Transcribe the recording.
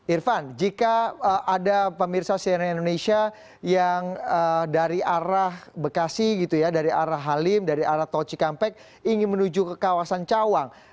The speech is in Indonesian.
irfan jika ada pemirsa cnn indonesia yang dari arah bekasi gitu ya dari arah halim dari arah tol cikampek ingin menuju ke kawasan cawang